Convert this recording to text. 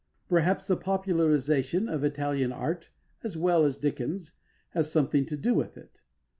Perhaps the popularisation of Italian art, as well as Dickens, has something to do with it.